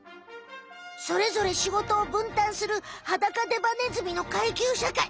それぞれしごとをぶんたんするハダカデバネズミの階級社会。